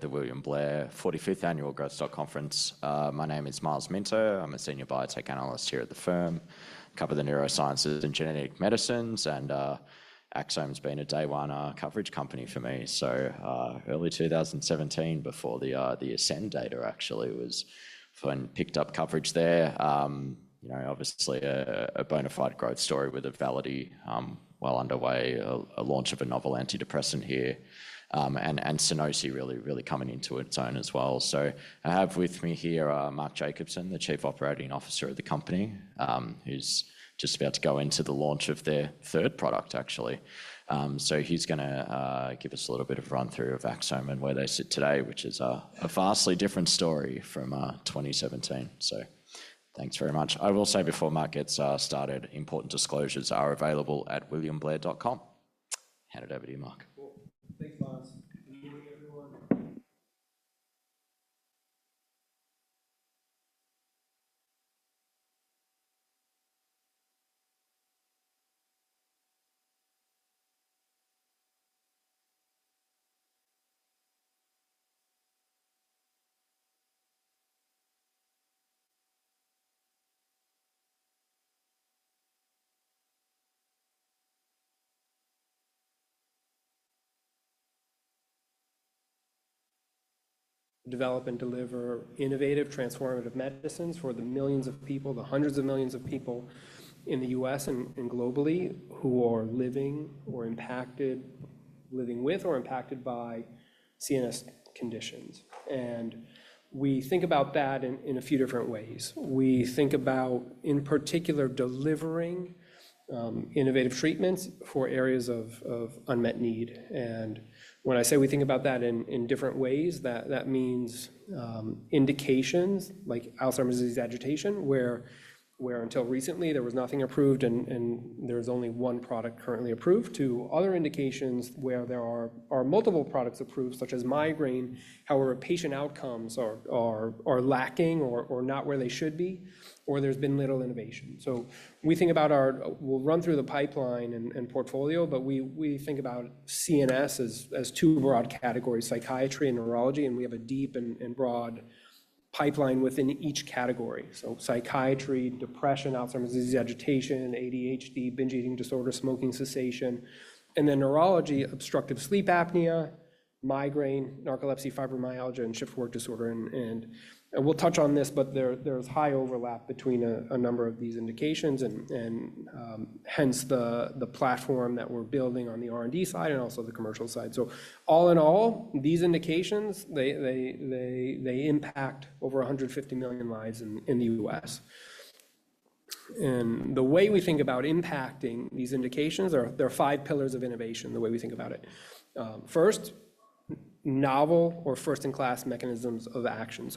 The William Blair 45th Annual Growth Stock Conference. My name is Myles Minter. I'm a Senior Biotech Analyst here at the firm. I cover the neurosciences and genetic medicines, and Axsome's been a day one coverage company for me. Early 2017, before the Ascend data actually was picked up coverage there, obviously a bona fide growth story with Auvelity well underway, a launch of a novel antidepressant here, and SUNOSIi really coming into its own as well. I have with me here Mark Jacobson, the Chief Operating Officer of the company, who's just about to go into the launch of their third product, actually. He's going to give us a little bit of run-through of Axsome and where they sit today, which is a vastly different story from 2017. Thanks very much. I will say, before Mark gets started, important disclosures are available at williamblair.com. Hand it over to you, Mark. Thanks, Myles. Good morning, everyone. Develop and deliver innovative, transformative medicines for the millions of people, the hundreds of millions of people in the U.S. and globally who are living or impacted, living with or impacted by CNS conditions. We think about that in a few different ways. We think about, in particular, delivering innovative treatments for areas of unmet need. When I say we think about that in different ways, that means indications like Alzheimer's disease agitation, where until recently there was nothing approved and there's only one product currently approved, to other indications where there are multiple products approved, such as migraine, however patient outcomes are lacking or not where they should be, or there's been little innovation. We think about our—we'll run through the pipeline and portfolio, but we think about CNS as two broad categories: psychiatry and neurology. We have a deep and broad pipeline within each category. Psychiatry, depression, Alzheimer's disease agitation, ADHD, binge eating disorder, and smoking cessation. Neurology, obstructive sleep apnea, migraine, narcolepsy, fibromyalgia, and shift work disorder. We will touch on this, but there is high overlap between a number of these indications, and hence the platform that we are building on the R&D side and also the commercial side. All in all, these indications impact over 150 million lives in the U.S. The way we think about impacting these indications, there are five pillars of innovation the way we think about it. First, novel or first-in-class mechanisms of action.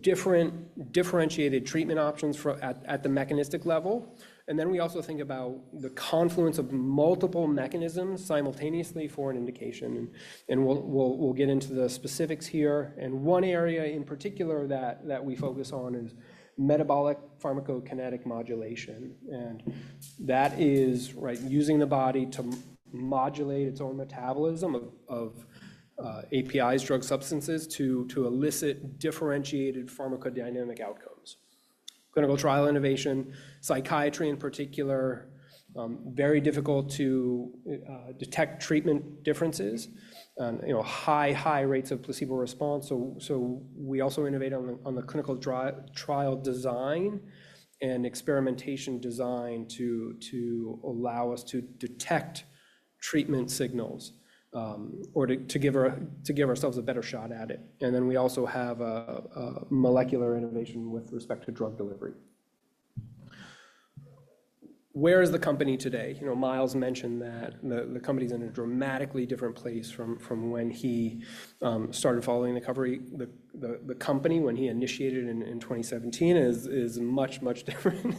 Different differentiated treatment options at the mechanistic level. We also think about the confluence of multiple mechanisms simultaneously for an indication. We will get into the specifics here. One area in particular that we focus on is Metabolic Pharmacokinetic modulation. That is using the body to modulate its own metabolism of APIs, drug substances, to elicit differentiated Pharmacodynamic outcomes. Clinical trial innovation, psychiatry in particular, is very difficult to detect treatment differences, high, high rates of placebo response. We also innovate on the clinical trial design and experimentation design to allow us to detect treatment signals or to give ourselves a better shot at it. We also have molecular innovation with respect to drug delivery. Where is the company today? Myles mentioned that the company is in a dramatically different place from when he started following the coverage. The company, when he initiated it in 2017, is much, much different.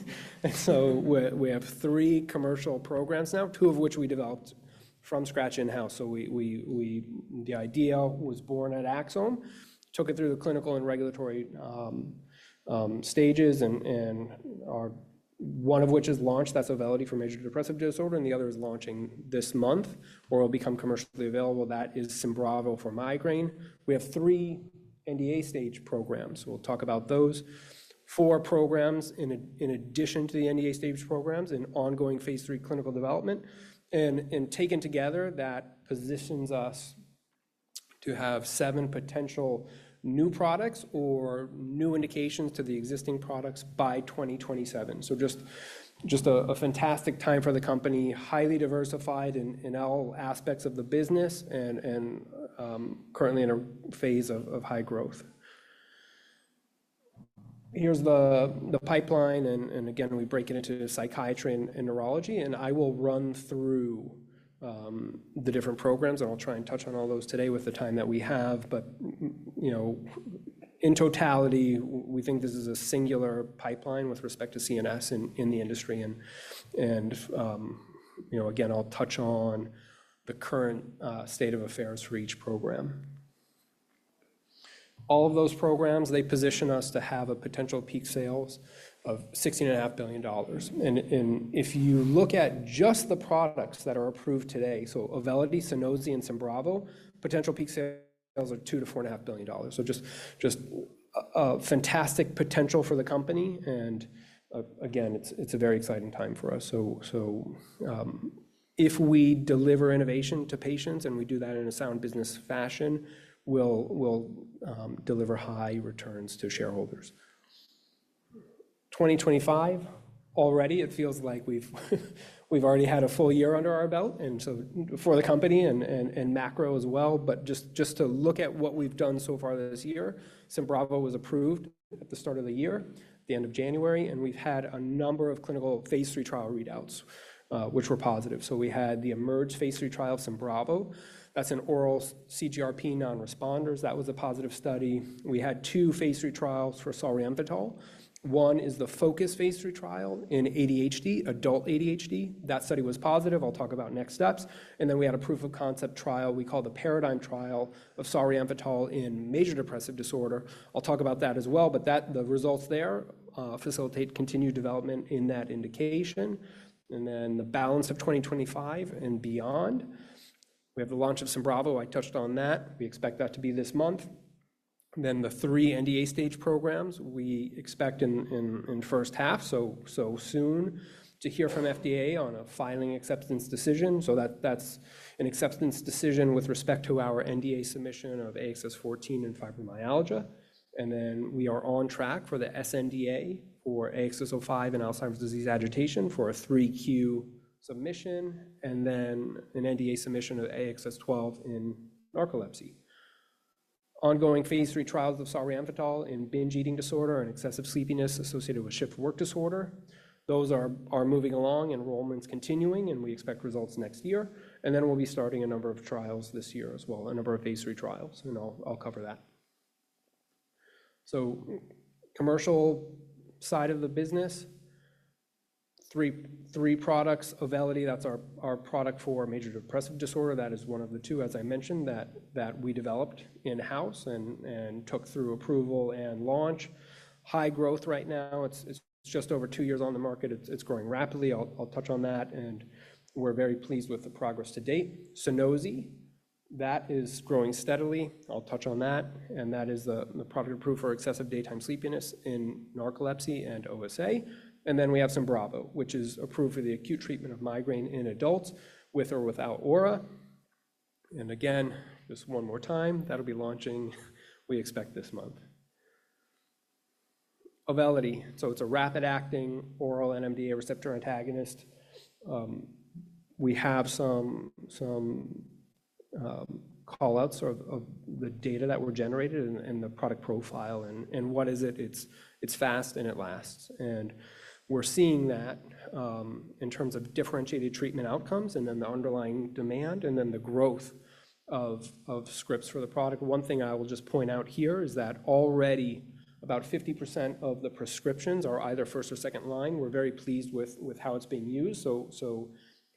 We have three commercial programs now, two of which we developed from scratch in-house. The idea was born at Axsome, took it through the clinical and regulatory stages, and one of which is launched. That's Auvelity for major depressive disorder. The other is launching this month or will become commercially available. That is SYMBRAVO for migraine. We have three NDA stage programs. We'll talk about those four programs in addition to the NDA stage programs in ongoing phase III clinical development. Taken together, that positions us to have seven potential new products or new indications to the existing products by 2027. Just a fantastic time for the company, highly diversified in all aspects of the business and currently in a phase of high growth. Here's the pipeline. Again, we break it into psychiatry and neurology. I will run through the different programs, and I'll try and touch on all those today with the time that we have. In totality, we think this is a singular pipeline with respect to CNS in the industry. Again, I'll touch on the current state of affairs for each program. All of those programs, they position us to have a potential peak sales of $16.5 billion. If you look at just the products that are approved today, so Auvelity, SUNOSI, and SYMBRAVO, potential peak sales are $.5 billion. Just fantastic potential for the company. Again, it's a very exciting time for us. If we deliver innovation to patients and we do that in a sound business fashion, we'll deliver high returns to shareholders. 2025, already, it feels like we've already had a full year under our belt for the company and macro as well. Just to look at what we've done so far this year, SYMBRAVO was approved at the start of the year, the end of January. We've had a number of clinical phase III trial readouts, which were positive. We had EMERGE phase III trial of SYMBRAVO. That's in oral CGRP non-responders. That was a positive study. We had two phase III trials for Solriamfetol. One is FOCUS phase III trial in adult ADHD. That study was positive. I'll talk about next steps. We had a proof-of-concept trial we call the PARADIGM Trial of Solriamfetol in major depressive disorder. I'll talk about that as well. The results there facilitate continued development in that indication. The balance of 2025 and beyond, we have the launch of SYMBRAVO. I touched on that. We expect that to be this month. The three NDA stage programs we expect in first half, so soon, to hear from FDA on a filing acceptance decision. That is an acceptance decision with respect to our NDA submission of AXS-14 in fibromyalgia. We are on track for the sNDA for AXS-05 in Alzheimer's disease agitation for a 3Q submission, and then an NDA submission of AXS-12 in narcolepsy. Ongoing phase III trials of Solriamfetol in binge eating disorder and excessive sleepiness associated with shift work disorder. Those are moving along, enrollment is continuing, and we expect results next year. We will be starting a number of trials this year as well, a number of phase III trials. I'll cover that. Commercial side of the business, three products. Auvelity, that's our product for major depressive disorder. That is one of the two, as I mentioned, that we developed in-house and took through approval and launch. High growth right now. It's just over two years on the market. It's growing rapidly. I'll touch on that. We're very pleased with the progress to date. SUNOSI, that is growing steadily. I'll touch on that. That is the product approved for excessive daytime sleepiness in narcolepsy and OSA. We have SYMBRAVO, which is approved for the acute treatment of migraine in adults with or without aura. Just one more time, that'll be launching, we expect, this month. Auvelity, so it's a rapid-acting oral NMDA receptor antagonist. We have some callouts of the data that were generated and the product profile. What is it? It's fast and it lasts. We're seeing that in terms of differentiated treatment outcomes and then the underlying demand and then the growth of scripts for the product. One thing I will just point out here is that already about 50% of the prescriptions are either first or second line. We're very pleased with how it's being used.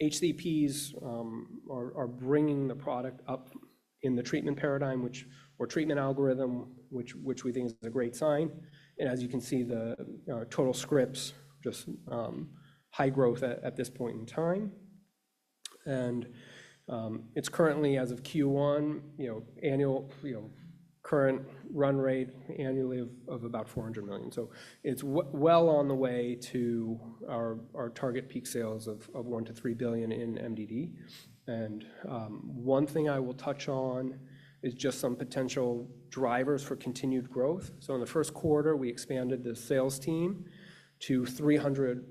HCPs are bringing the product up in the treatment PARADIGM or treatment algorithm, which we think is a great sign. As you can see, the total scripts, just high growth at this point in time. It's currently, as of Q1, annual current run rate annually of about $400 million. It's well on the way to our target peak sales of $1 billion-$3 billion in MDD. One thing I will touch on is just some potential drivers for continued growth. In the first quarter, we expanded the sales team to 300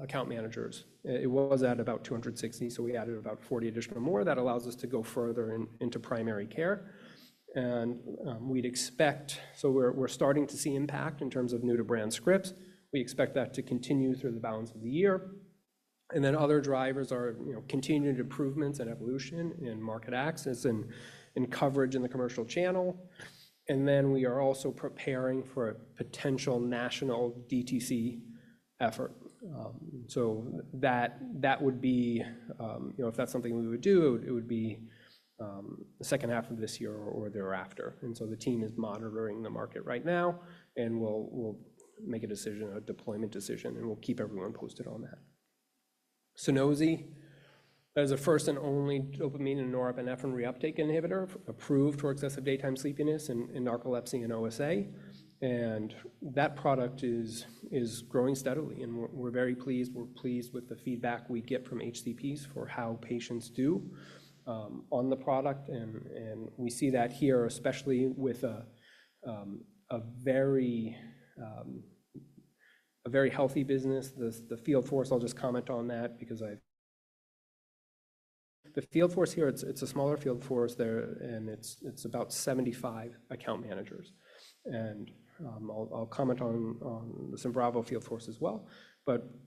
account managers. It was at about 260, so we added about 40 additional more. That allows us to go further into primary care. We'd expect, so we're starting to see impact in terms of new-to-brand scripts. We expect that to continue through the balance of the year. Other drivers are continued improvements and evolution in market access and coverage in the commercial channel. We are also preparing for a potential national DTC effort. That would be, if that's something we would do, it would be the second half of this year or thereafter. The team is monitoring the market right now, and we'll make a decision, a deployment decision, and we'll keep everyone posted on that. SUNOSI, that is a first and only dopamine and norepinephrine reuptake inhibitor approved for excessive daytime sleepiness in narcolepsy and OSA. That product is growing steadily. We're very pleased. We're pleased with the feedback we get from HCPs for how patients do on the product. We see that here, especially with a very healthy business, the field force. I'll just comment on that because the field force here, it's a smaller field force there, and it's about 75 account managers. I'll comment on the SYMBRAVO field force as well.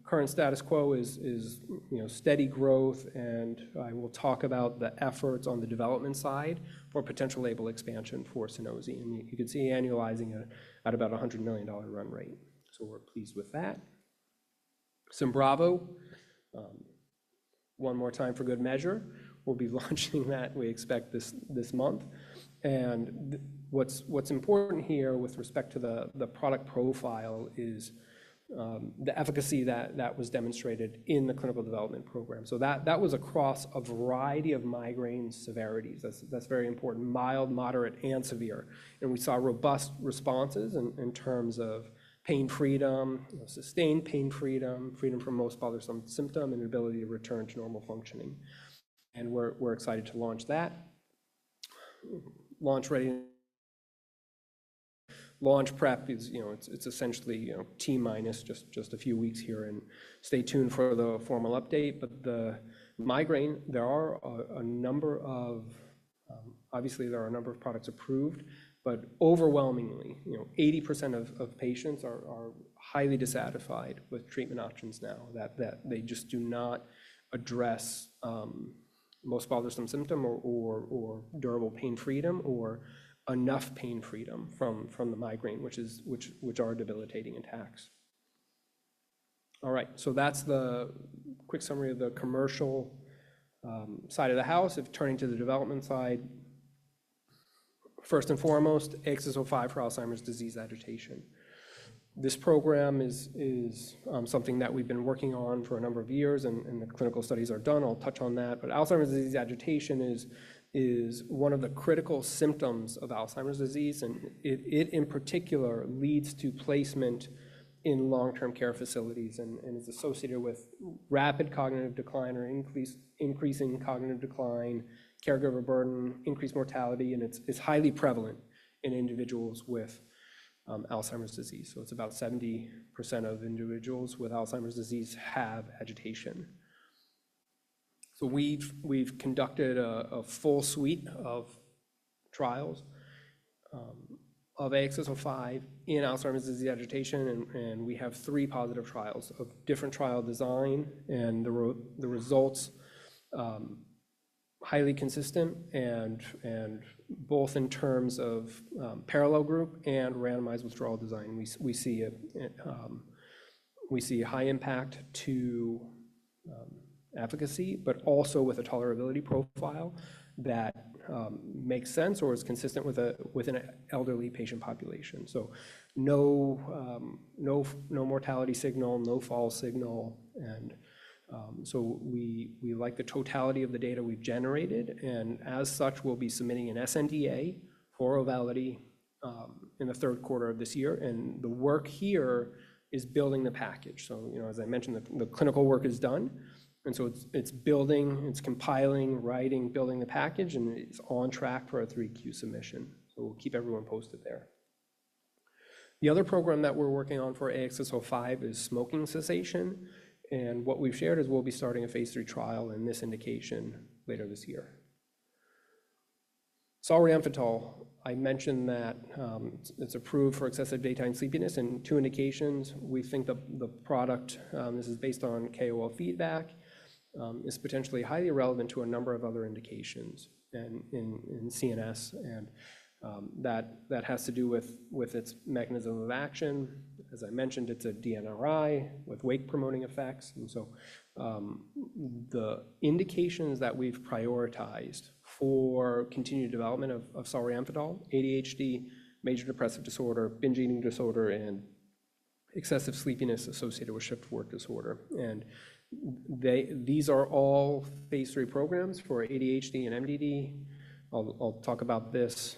Current status quo is steady growth. I will talk about the efforts on the development side for potential label expansion for SUNOSI. You can see annualizing at about a $100 million run rate. We're pleased with that. SYMBRAVO, one more time for good measure. We'll be launching that, we expect, this month. What is important here with respect to the product profile is the efficacy that was demonstrated in the clinical development program. That was across a variety of migraine severities. That is very important: mild, moderate, and severe. We saw robust responses in terms of pain freedom, sustained pain freedom, freedom from most bothersome symptom, and ability to return to normal functioning. We are excited to launch that. Launch ready. Launch prep, it is essentially T minus just a few weeks here. Stay tuned for the formal update. The migraine, there are a number of, obviously, there are a number of products approved, but overwhelmingly, 80% of patients are highly dissatisfied with treatment options now because they just do not address most bothersome symptom or durable pain freedom or enough pain freedom from the migraine, which are debilitating attacks. All right. That's the quick summary of the commercial side of the house. If turning to the development side, first and foremost, AXS-05 for Alzheimer's disease agitation. This program is something that we've been working on for a number of years, and the clinical studies are done. I'll touch on that. Alzheimer's disease agitation is one of the critical symptoms of Alzheimer's disease. It, in particular, leads to placement in long-term care facilities and is associated with rapid cognitive decline or increasing cognitive decline, caregiver burden, increased mortality. It's highly prevalent in individuals with Alzheimer's disease. It's about 70% of individuals with Alzheimer's disease have agitation. We've conducted a full suite of trials of AXS-05 in Alzheimer's disease agitation. We have three positive trials of different trial design. The results, highly consistent, and both in terms of parallel group and randomized withdrawal design. We see a high impact to efficacy, but also with a tolerability profile that makes sense or is consistent with an elderly patient population. No mortality signal, no fall signal. We like the totality of the data we've generated. As such, we'll be submitting an sNDA for Auvelity in the third quarter of this year. The work here is building the package. As I mentioned, the clinical work is done. It's building, it's compiling, writing, building the package. It's on track for a 3Q submission. We'll keep everyone posted there. The other program that we're working on for AXS-05 is smoking cessation. What we've shared is we'll be starting a phase III trial in this indication later this year. Solriamfetol, I mentioned that it's approved for excessive daytime sleepiness in two indications. We think the product, this is based on KOL feedback, is potentially highly relevant to a number of other indications in CNS. That has to do with its mechanism of action. As I mentioned, it's a DNRI with wake-promoting effects. The indications that we've prioritized for continued development of Solriamfetol are ADHD, major depressive disorder, binge eating disorder, and excessive sleepiness associated with shift work disorder. These are all phase III programs for ADHD and MDD. I'll talk about this.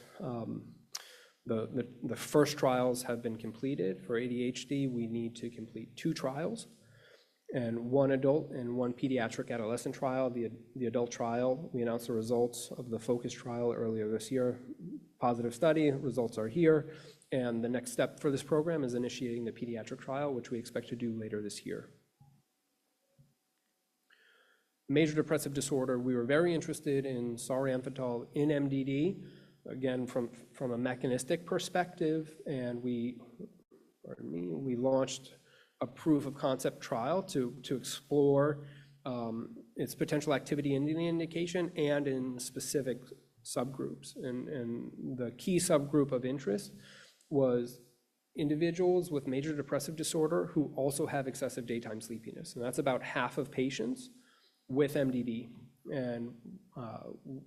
The first trials have been completed. For ADHD, we need to complete two trials, one adult and one pediatric adolescent trial. The adult trial, we announced the results of the FOCUS trial earlier this year. Positive study results are here. The next step for this program is initiating the pediatric trial, which we expect to do later this year. Major depressive disorder, we were very interested in Solriamfetol in MDD, again, from a mechanistic perspective. We launched a proof-of-concept trial to explore its potential activity in the indication and in specific subgroups. The key subgroup of interest was individuals with major depressive disorder who also have excessive daytime sleepiness. That is about half of patients with MDD.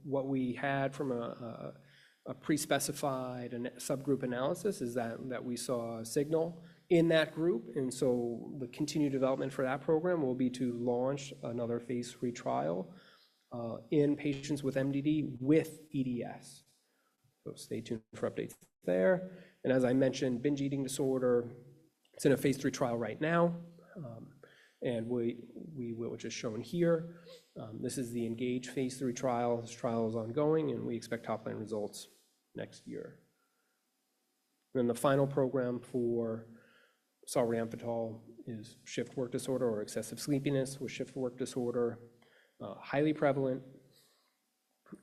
What we had from a pre-specified subgroup analysis is that we saw a signal in that group. The continued development for that program will be to launch another phase III trial in patients with MDD with EDS. Stay tuned for updates there. As I mentioned, binge eating disorder, it is in a phase III trial right now. We will, which is shown here. This is the ENGAGE phase III trial. This trial is ongoing, and we expect top-line results next year. The final program for Solriamfetol is shift work disorder or excessive sleepiness with shift work disorder, highly prevalent.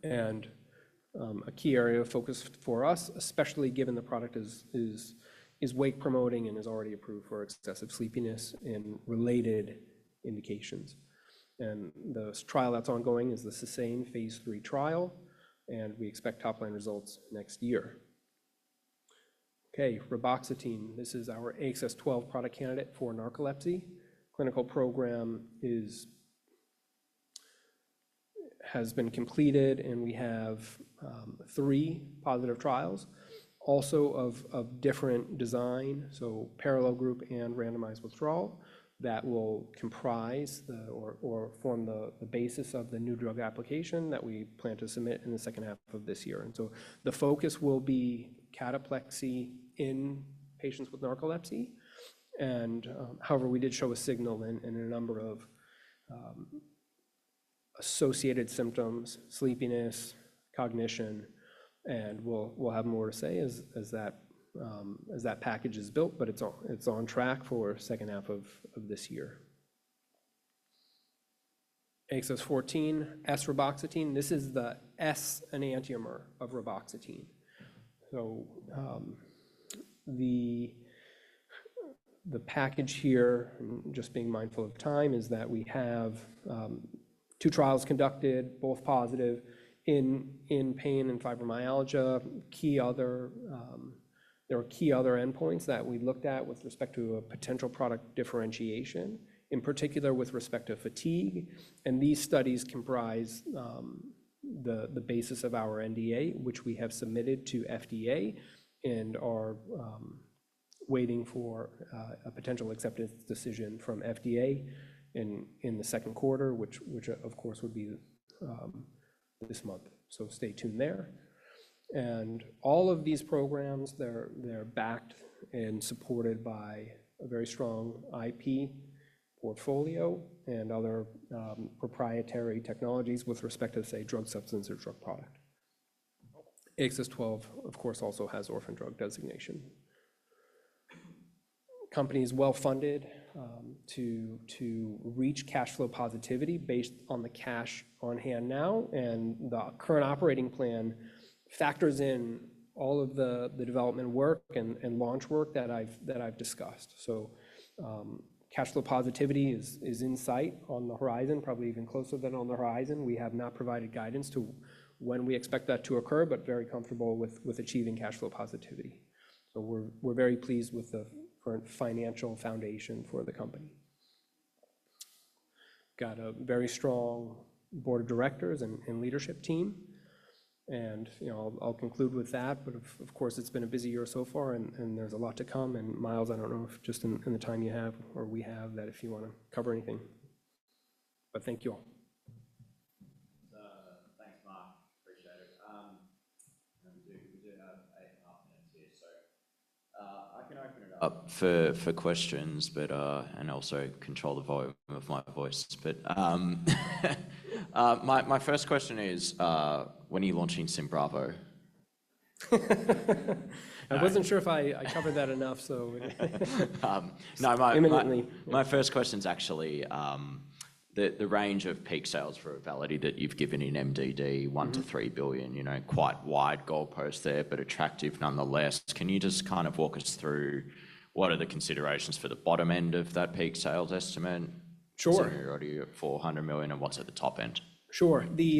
A key area of focus for us, especially given the product is wake-promoting and is already approved for excessive sleepiness and related indications. The trial that's ongoing is the SUSTAIN phase III trial. We expect top-line results next year. Okay, reboxetine, this is our AXS-12 product candidate for narcolepsy. Clinical program has been completed, and we have three positive trials, also of different design, so parallel group and randomized withdrawal that will comprise or form the basis of the new drug application that we plan to submit in the second half of this year. The focus will be Cataplexy in patients with narcolepsy. However, we did show a signal in a number of associated symptoms, sleepiness, cognition. We'll have more to say as that package is built, but it's on track for the second half of this year. AXS-14, esreboxetine. This is the S and the anti-emer of reboxetine. The package here, just being mindful of time, is that we have two trials conducted, both positive in pain and Fibromyalgia. There are key other endpoints that we looked at with respect to a potential product differentiation, in particular with respect to fatigue. These studies comprise the basis of our NDA, which we have submitted to FDA and are waiting for a potential acceptance decision from FDA in the second quarter, which, of course, would be this month. Stay tuned there. All of these programs, they're backed and supported by a very strong IP portfolio and other proprietary technologies with respect to, say, drug substance or drug product. AXS-12, of course, also has orphan drug designation. Company is well funded to reach cash flow positivity based on the cash on hand now. The current operating plan factors in all of the development work and launch work that I've discussed. Cash flow positivity is in sight on the horizon, probably even closer than on the horizon. We have not provided guidance to when we expect that to occur, but very comfortable with achieving cash flow positivity. We're very pleased with the current financial foundation for the company. Got a very strong board of directors and leadership team. I'll conclude with that. Of course, it's been a busy year so far, and there's a lot to come. Myles, I don't know if just in the time you have or we have that if you want to cover anything. Thank you all. Thanks, Mark. Appreciate it. We do have a lot of things here. I can open it up for questions, but I also control the volume of my voice. My first question is, when are you launching SYMBRAVO? I wasn't sure if I covered that enough, so. No, my first question is actually the range of peak sales for Auvelity that you've given in MDD, $1 billion-$3 billion, quite wide goalpost there, but attractive nonetheless. Can you just kind of walk us through what are the considerations for the bottom end of that peak sales estimate? Sure. You're already at $400 million, and what's at the top end? Sure. We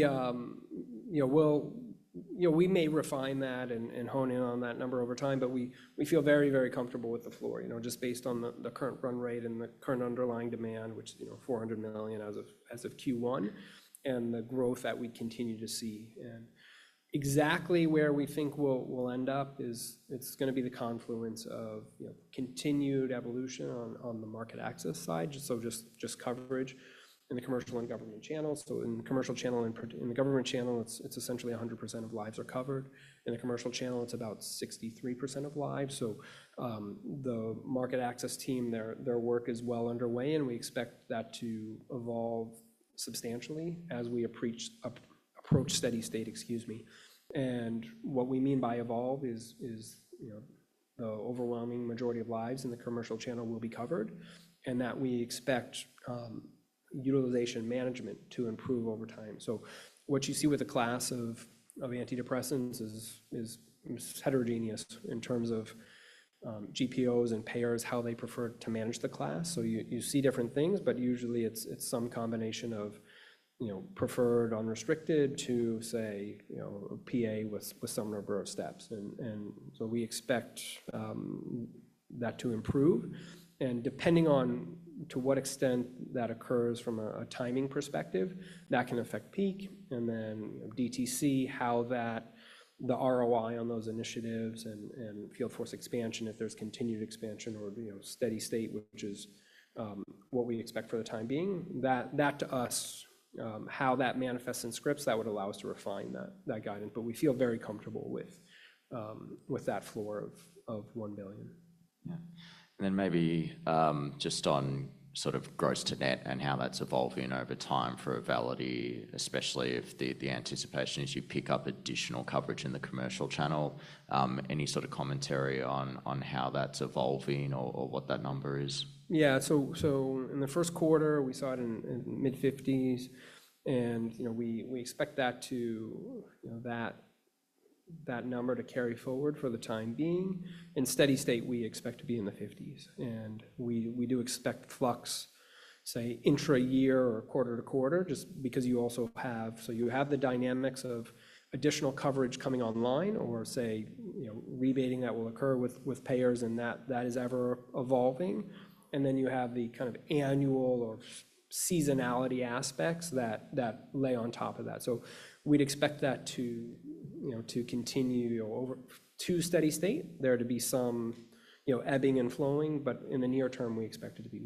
may refine that and hone in on that number over time, but we feel very, very comfortable with the floor just based on the current run rate and the current underlying demand, which is $400 million as of Q1 and the growth that we continue to see. Exactly where we think we'll end up is it's going to be the confluence of continued evolution on the market access side, just coverage in the commercial and government channels. In the commercial channel and in the government channel, it's essentially 100% of lives are covered. In the commercial channel, it's about 63% of lives. The market access team, their work is well underway, and we expect that to evolve substantially as we approach steady state, excuse me. What we mean by evolve is the overwhelming majority of lives in the commercial channel will be covered and that we expect utilization management to improve over time. You see with a class of antidepressants it is heterogeneous in terms of GPOs and payers, how they prefer to manage the class. You see different things, but usually it is some combination of preferred unrestricted to, say, PA with some number of steps. We expect that to improve. Depending on to what extent that occurs from a timing perspective, that can affect peak. DTC, how the ROI on those initiatives and field force expansion, if there is continued expansion or steady state, which is what we expect for the time being, that to us, how that manifests in scripts, that would allow us to refine that guidance. We feel very comfortable with that floor of $1 billion. Yeah. And then maybe just on sort of gross to net and how that's evolving over time for Auvelity, especially if the anticipation is you pick up additional coverage in the commercial channel, any sort of commentary on how that's evolving or what that number is? Yeah. In the first quarter, we saw it in mid-50s. We expect that number to carry forward for the time being. In steady state, we expect to be in the 50s. We do expect flux, say, intra-year or quarter to quarter, just because you also have, you have the dynamics of additional coverage coming online or, say, rebating that will occur with payers and that is ever evolving. You have the kind of annual or seasonality aspects that lay on top of that. We expect that to continue to steady state, there to be some ebbing and flowing, but in the near term, we expect it to be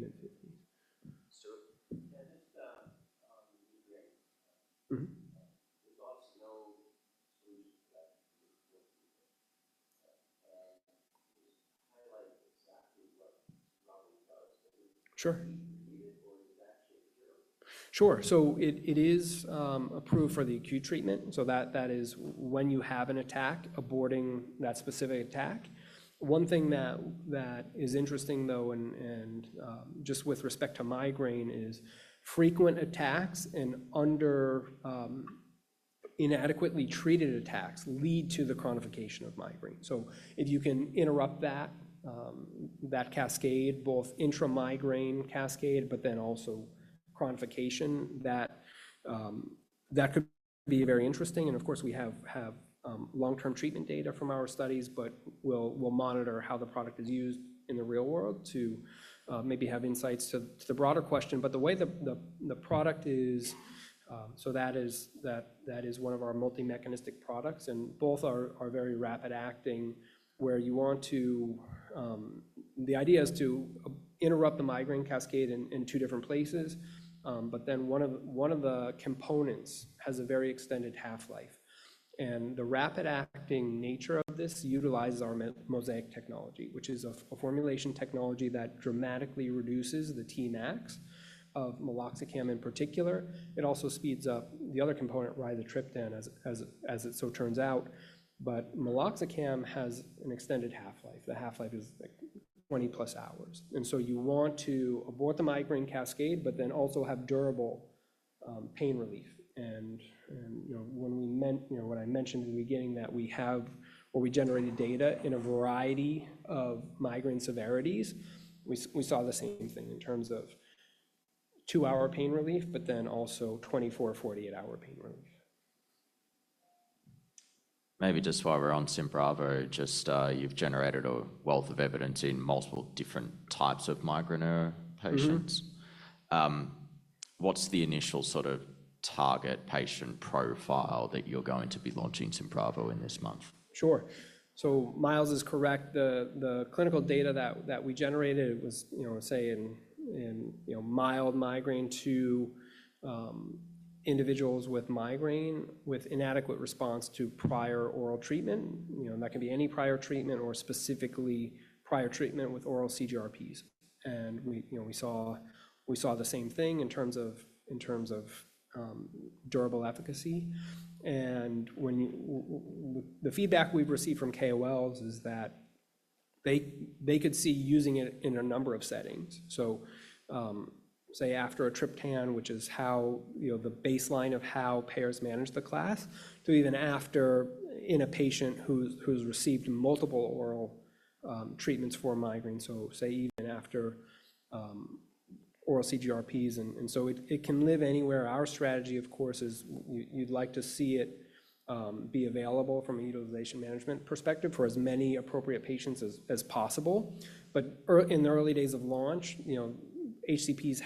mid-50s. Is there anything that the results know exactly what surrounding drugs? Sure. Is it approved for the acute treatment? Sure. It is approved for the acute treatment. That is when you have an attack, aborting that specific attack. One thing that is interesting, though, just with respect to migraine, is frequent attacks and inadequately treated attacks lead to the chronification of migraine. If you can interrupt that cascade, both intra-migraine cascade, but then also chronification, that could be very interesting. Of course, we have long-term treatment data from our studies, but we will monitor how the product is used in the real world to maybe have insights to the broader question. The way the product is, that is one of our multi-mechanistic products. Both are very rapid acting where you want to, the idea is to interrupt the migraine cascade in two different places. One of the components has a very extended half-life. The rapid acting nature of this utilizes our mosaic technology, which is a formulation technology that dramatically reduces the Tmax of meloxicam in particular. It also speeds up the other component, rizatriptan, as it so turns out. Meloxicam has an extended half-life. The half-life is 20 plus hours. You want to abort the migraine cascade, but then also have durable pain relief. When I mentioned in the beginning that we have or we generated data in a variety of migraine severities, we saw the same thing in terms of two-hour pain relief, but then also 24, 48-hour pain relief. Maybe just while we're on SYMBRAVO, just you've generated a wealth of evidence in multiple different types of migraine patients. What's the initial sort of target patient profile that you're going to be launching SYMBRAVO in this month? Sure. Miles is correct. The clinical data that we generated was, say, in mild migraine to individuals with migraine with inadequate response to prior oral treatment. That can be any prior treatment or specifically prior treatment with oral CGRPs. We saw the same thing in terms of durable efficacy. The feedback we've received from KOLs is that they could see using it in a number of settings. Say, after a triptan, which is the baseline of how payers manage the class, to even after in a patient who's received multiple oral treatments for migraine. Say, even after oral CGRPs. It can live anywhere. Our strategy, of course, is you'd like to see it be available from a utilization management perspective for as many appropriate patients as possible. In the early days of launch, HCPs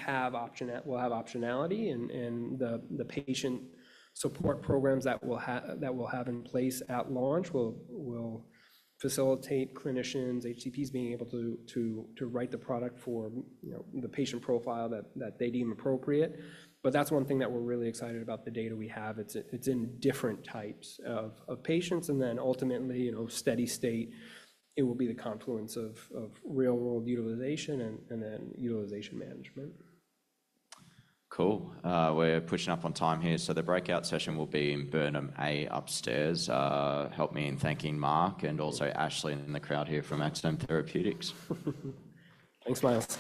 will have optionality. The patient support programs that we'll have in place at launch will facilitate clinicians, HCPs being able to write the product for the patient profile that they deem appropriate. That's one thing that we're really excited about, the data we have. It's in different types of patients. Ultimately, steady state, it will be the confluence of real-world utilization and then utilization management. Cool. We're pushing up on time here. The breakout session will be in Burnham A upstairs. Help me in thanking Mark and also Ashley and the crowd here from Axsome Therapeutics. Thanks, Miles.